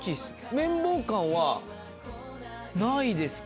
綿棒感はないですけど。